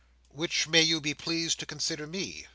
"Which may you be pleased to consider me?